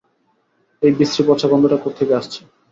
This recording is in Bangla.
এই বিশ্রী পচা গন্ধটা কোত্থেকে আসছে?